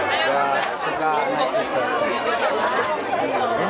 wah suka naik kuda